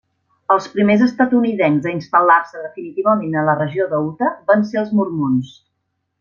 Els primers estatunidencs a instal·lar-se definitivament a la regió de Utah van ser els mormons.